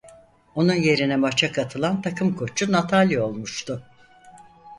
Onun yerine maça katılan takım koçu Natalya olmuştu.